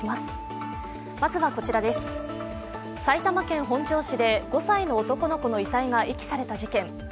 埼玉県本庄市で５歳の男の子の遺体が遺棄された事件。